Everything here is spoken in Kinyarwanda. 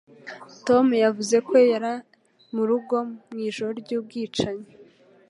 Tom yavuze ko yari mu rugo mu ijoro ry'ubwicanyi.